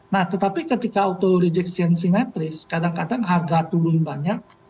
nah tetapi ketika auto rejection simetris kadang kadang harga turun banyak